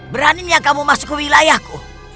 beraninya kamu masuk ke wilayahku